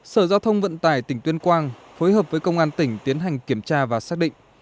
sở giao thông vận tải tỉnh tuyên quang phối hợp với công an tỉnh tiến hành kiểm tra và xác định